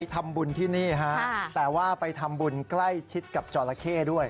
ทำบุญที่นี่ฮะแต่ว่าไปทำบุญใกล้ชิดกับจอละเข้ด้วย